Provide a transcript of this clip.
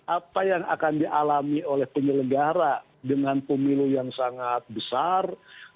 apa yang akan dialami oleh penyelenggara dengan pemilu yang sangat besar